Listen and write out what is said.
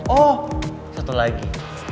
oh satu lagi